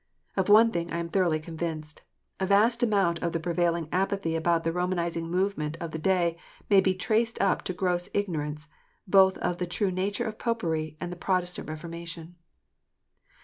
Of one thing I am thoroughly convinced : a vast amount of the prevailing apathy about the Romanizing movement of the day may be traced up to gross ignorance, both of the true nature of Popery and of the Protestant Reformation.